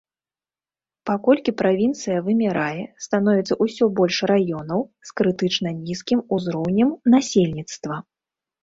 Паколькі правінцыя вымірае, становіцца ўсё больш раёнаў з крытычна нізкім узроўнем насельніцтва.